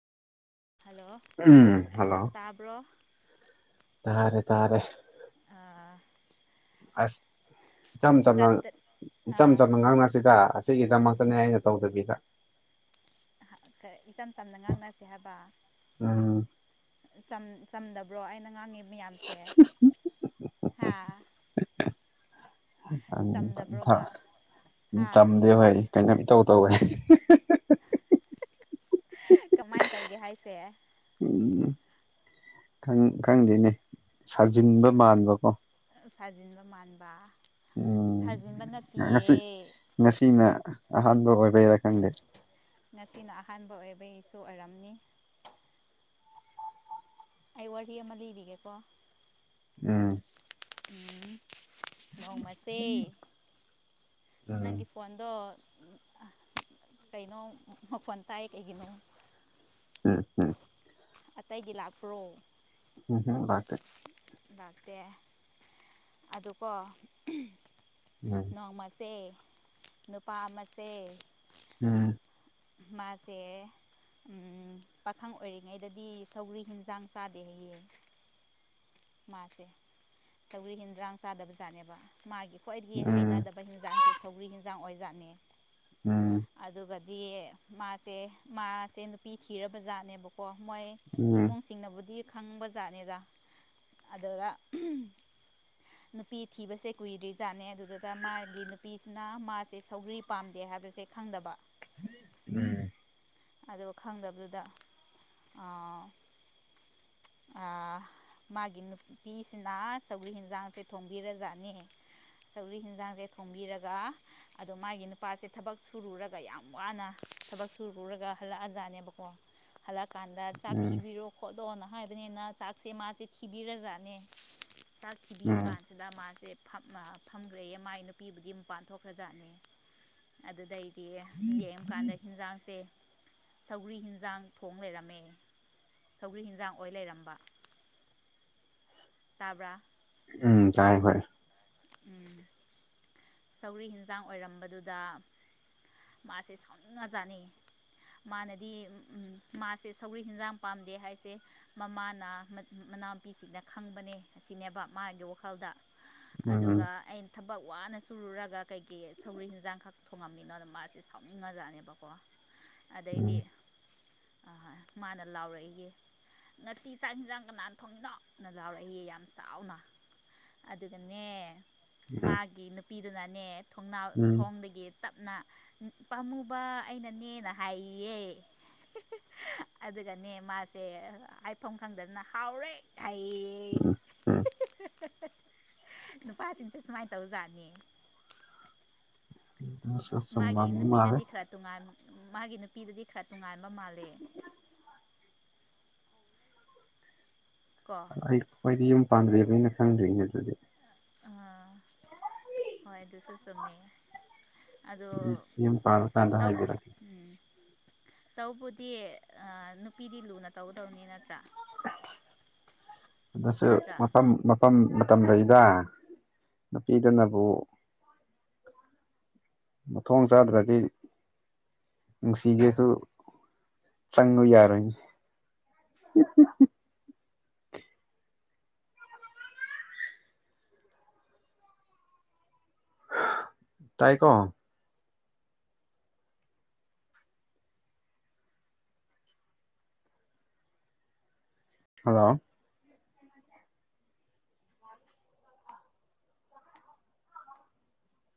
Hello ꯎꯝ hello ꯇꯥꯕ꯭ꯔꯣ ꯇꯥꯔꯦ ꯇꯥꯔꯦ ꯑ ꯑꯁ ꯏꯆꯝ ꯆꯝꯅ ꯏꯆꯝ ꯆꯝꯅ ꯉꯥꯡꯅꯁꯤꯗ ꯑꯁ ꯁꯤꯒꯤꯗꯃꯛꯇꯅꯦ ꯑꯩꯅ ꯇꯧꯗꯕꯤꯗ ꯑꯍ ꯀꯔ ꯏꯆꯝ ꯆꯝꯅ ꯉꯥꯡꯅꯁꯦ ꯍꯥꯏꯕ ꯎꯝ ꯆꯝꯗꯕ꯭ꯔꯣ ꯑꯩꯅ ꯉꯥꯡꯉꯤ ꯃꯌꯥꯝꯁꯦ ꯍꯥ ꯆꯝꯗꯕ꯭ꯔꯣꯕ ꯍꯥ ꯆꯝꯗꯦꯕ ꯀꯩꯅꯣꯝ ꯏꯇꯧ ꯇꯧꯋꯦ ꯀꯃꯥꯏꯟ ꯇꯧꯒꯦ ꯍꯥꯏꯁꯦ ꯎꯝ ꯈꯪ ꯈꯪꯗꯦꯅꯦ ꯁꯥꯖꯤꯟꯕ ꯃꯥꯟꯕ ꯀꯣ ꯁꯥꯖꯤꯟꯕ ꯃꯥꯟꯕ ꯎꯝ ꯁꯥꯖꯤꯟꯕ ꯅꯠꯇꯤꯌꯦ ꯉꯁꯤ ꯉꯁꯤꯅ ꯑꯍꯥꯟꯕ ꯑꯣꯏꯕꯩꯔꯥ ꯈꯪꯗꯦ ꯉꯁꯤꯅ ꯑꯍꯥꯟꯕ ꯑꯣꯏꯕꯒꯤꯁꯨ ꯑꯣꯏꯔꯝꯅꯤ ꯑꯩ ꯋꯥꯔꯤ ꯑꯃ ꯂꯤꯕꯤꯒꯦꯀꯣ ꯎꯝ [unintelligible] ꯅꯣꯡꯃꯁꯦ ꯎꯝ ꯅꯪꯒꯤ ꯐꯣꯟꯗꯣ ꯀꯩꯅꯣꯝ ꯃꯈꯣꯟ ꯇꯥꯏ ꯀꯩꯒꯤꯅꯣ ꯎꯝ ꯎꯝ ꯑꯇꯩꯒꯤ ꯂꯥꯛꯄ꯭ꯔꯣ ꯎꯝ ꯍꯝ ꯂꯥꯛꯇꯣꯏ ꯂꯥꯛꯇꯦ ꯑꯗꯣꯀꯣ ꯎꯝ ꯅꯣꯡꯃꯁꯦ ꯅꯨꯄꯥ ꯑꯃꯁꯦ ꯎꯝ ꯃꯥꯁꯦ ꯎꯝ ꯄꯥꯈꯪ ꯑꯣꯏꯔꯤꯉꯩꯗꯗꯤ ꯁꯧꯒ꯭ꯔꯤ ꯍꯟꯖꯥꯡ ꯆꯥꯗꯦ ꯍꯥꯏꯌꯦ ꯃꯥꯁꯦ ꯇꯧꯔꯤ ꯍꯦꯟꯗ꯭ꯔꯥꯡ ꯆꯥꯗꯕꯖꯥꯠꯅꯦꯕ ꯃꯥꯒꯤ ꯈ꯭ꯋꯥꯏꯗꯒꯤ ꯎꯝ ꯍꯩꯅꯗꯕ ꯃꯣꯏ ꯍꯦꯟꯖꯥꯡꯁꯦ ꯁꯧꯒ꯭ꯔꯤ ꯍꯦꯟꯖꯥꯡ ꯑꯣꯖꯥꯠꯅꯦ ꯎꯝ ꯑꯗꯨꯒꯗꯤ ꯃꯥꯁꯦ ꯃꯥꯁꯦ ꯅꯨꯄꯤ ꯊꯤꯔꯕ ꯖꯥꯠꯅꯦꯕꯀꯣ ꯃꯣꯏ ꯎꯝ ꯏꯃꯨꯡꯁꯤꯡꯅꯕꯨꯗꯤ ꯈꯪꯕ ꯖꯥꯠꯅꯤꯗ ꯑꯗꯨꯗ ꯅꯨꯄꯤ ꯊꯤꯕꯁꯦ ꯀꯨꯏꯗ꯭ꯔꯤꯖꯥꯠꯅꯦ ꯑꯗꯨꯗꯨꯗ ꯃꯥꯒꯤ ꯅꯨꯄꯤꯁꯤꯅ ꯃꯥꯁꯦ ꯁꯧꯒ꯭ꯔꯤ ꯄꯥꯝꯗꯦ ꯍꯥꯏꯕꯁꯦ ꯈꯪꯗꯕ ꯎꯝ ꯑꯗꯨ ꯈꯪꯗꯕꯗꯨꯗ ꯑ-ꯑ ꯃꯥꯒꯤ ꯅꯨꯄꯤꯁꯤꯅ ꯁꯧꯒꯔꯤ ꯍꯦꯟꯖꯥꯡꯁꯦ ꯊꯣꯡꯕꯤꯔꯖꯥꯠꯅꯤ ꯆꯧꯂꯤꯛ ꯍꯦꯟꯖꯥꯡꯖꯦ ꯊꯣꯡꯝꯕꯤꯔꯒ ꯑꯗꯣ ꯃꯥꯒꯤ ꯅꯨꯄꯥꯁꯦ ꯊꯕꯛ ꯁꯨꯔꯨꯔꯒ ꯌꯥꯝ ꯋꯥꯅ ꯊꯕꯛ ꯁꯨꯔ ꯄꯨꯨꯔꯒ ꯍꯜꯂꯛꯑꯖꯥꯠꯅꯦꯕꯀꯣ ꯍꯜꯂꯛꯑꯀꯥꯟꯗ ꯆꯥꯛ ꯎꯝ ꯊꯤꯕꯤꯔꯣ ꯈꯣꯠꯂꯣꯅ ꯍꯥꯏꯕꯅꯤꯅ ꯆꯥꯛꯁꯦ ꯃꯥꯁꯦ ꯊꯤꯕꯤꯔꯖꯥꯠꯅꯦ ꯆꯥꯛ ꯊꯤꯕꯤꯕ ꯎꯝ ꯀꯥꯟꯗ ꯁꯤꯗ ꯃꯥꯁꯦ ꯐꯝꯃ ꯐꯝꯒ꯭ꯔꯦꯌꯦ ꯃꯥꯏ ꯅꯨꯄꯤꯗꯨꯒꯤ ꯃꯄꯥꯟ ꯊꯣꯛꯈ꯭ꯔꯖꯥꯠꯅꯤ꯫ ꯑꯗꯨꯗꯩꯗꯤ ꯌꯦꯡꯀꯥꯟꯗ ꯍꯤꯟꯖꯥꯡꯁꯦ ꯁꯧꯒ꯭ꯔꯤ ꯍꯦꯟꯖꯥꯡ ꯊꯣꯡ ꯂꯩꯔꯝꯃꯦ꯫ ꯁꯧꯒ꯭ꯔꯤ ꯍꯟꯖꯥꯡ ꯑꯣꯏ ꯂꯩꯔꯝꯕ ꯇꯥꯕ꯭ꯔꯥ? ꯎꯝ ꯇꯥꯏ ꯍꯣꯏ꯫ ꯎꯝ ꯁꯧꯒ꯭ꯔꯤ ꯍꯤꯟꯖꯥꯡ ꯑꯣꯏꯔꯝꯕꯗꯨꯗ ꯃꯥꯁꯦ ꯁꯥꯎꯅꯤꯡꯉꯖꯥꯠꯅꯤ ꯃꯥꯅꯗꯤꯎꯝ ꯃꯥꯁꯦ ꯁꯧꯒ꯭ꯔꯤ ꯍꯤꯟꯖꯥꯡ ꯄꯥꯝꯗꯦ ꯍꯥꯏꯁꯦ ꯃꯃꯥꯅ ꯃꯅꯥꯎꯅꯨꯄꯤꯁꯤꯡꯅ ꯈꯪꯕꯅꯦ ꯑꯁꯤꯅꯦꯕ ꯃꯥꯒꯤ ꯋꯥꯈꯜꯗ ꯎꯝ ꯑꯗꯨꯒ ꯑꯩꯅ ꯊꯕꯛ ꯋꯥꯅ ꯁꯨ ꯁꯨꯔꯨꯔꯒ ꯀꯩꯒꯤ ꯁꯧꯒ꯭ꯔꯤ ꯍꯟꯖꯥꯡꯈꯛ ꯊꯣꯡꯉꯝꯃꯤꯅꯣꯅ ꯃꯥꯁꯤ ꯁꯥꯎꯅꯤꯡꯉꯖꯥꯠꯅꯦꯕꯀꯣ ꯑꯗꯩꯗꯤ ꯎꯝ ꯑꯥ ꯃꯥꯅ ꯂꯥꯎꯔꯛꯏꯒꯦ ꯉꯁꯤ ꯆꯥꯛ ꯍꯤꯟꯖꯥꯡ ꯀꯅꯥꯅ ꯊꯣꯡꯏꯅꯣꯅ ꯂꯥꯎꯔꯛꯏꯌꯦ ꯌꯥꯝ ꯁꯥꯎꯅ꯫ ꯑꯗꯨꯒꯅꯦ ꯎꯝ ꯃꯥꯒꯤ ꯅꯨꯄꯤꯗꯨꯅꯅꯦ ꯊꯣꯡꯅꯥꯎ ꯎꯝ ꯊꯣꯡꯗꯒꯤ ꯇꯞꯅ ꯄꯥꯝꯃꯨꯕ ꯑꯩꯅꯅꯦꯅ ꯍꯥꯏꯌꯦ ꯑꯗꯨꯒꯅꯦ ꯃꯥꯁꯦ ꯍꯥꯏꯐꯝ ꯈꯪꯗꯗꯅ ꯍꯥꯎꯔꯦ ꯑꯩ ꯎꯝ ꯎꯝ ꯅꯨꯄꯥꯁꯤꯡꯁꯦ ꯁꯨꯃꯥꯏꯅ ꯇꯧꯖꯥꯠꯅꯤ꯫ ꯑꯁ ꯑꯆꯨꯝꯕ ꯃꯥꯒꯤ ꯑꯃ ꯃꯥꯜꯂꯦ ꯅꯨꯄꯤꯗꯗꯤ ꯈꯔ ꯇꯣꯉꯥꯟ ꯃꯥꯒꯤ ꯅꯨꯄꯤꯗꯗꯤ ꯈꯔ ꯇꯣꯉꯥꯟꯕ ꯃꯥꯜꯂꯦ꯫ ꯀꯣ ꯑꯩ ꯑꯩꯈꯣꯏꯗꯤ ꯌꯨꯝ ꯄꯥꯟꯗ꯭ꯔꯤꯕꯅꯤꯅ ꯈꯪꯗ꯭ꯔꯤꯅꯦ ꯑꯗꯨꯗꯤ꯫ ꯑ ꯍꯣꯏ ꯑꯗꯨꯁꯨ ꯆꯨꯝꯃꯦ꯫ ꯑꯗꯣ ꯌꯨꯝ ꯄꯥꯜꯂꯀꯥꯟꯗ ꯇꯧ ꯍꯥꯏꯕꯤꯔꯛꯀꯦ ꯎꯝ ꯇꯧꯕꯗꯤ ꯑꯥ ꯅꯨꯄꯤꯗꯤ ꯂꯨꯅ ꯇꯧꯒꯗꯧꯅꯤ ꯅꯠꯇ꯭ꯔꯥ꯫ ꯅꯠꯇ꯭ꯔꯥ [unintelligible] ꯃꯇꯝ ꯃꯇꯝ ꯂꯩꯗ ꯅꯨꯄꯤꯗꯅꯕꯨ ꯃꯊꯣꯡ ꯆꯥꯗ꯭ꯔꯗꯤ ꯅꯨꯡꯁꯤꯒꯦꯁꯨ ꯆꯪꯉꯨ ꯌꯥꯔꯣꯏꯅꯦ꯫ [unintelligible] ꯇꯥꯏ ꯀꯣ ꯍꯜꯂꯣ